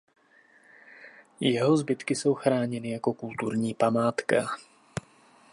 Jeho zbytky jsou chráněny jako kulturní památka.